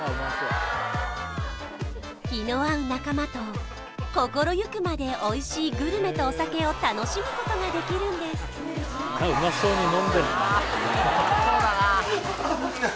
気の合う仲間と心ゆくまでおいしいグルメとお酒を楽しむことができるんですあっうまい！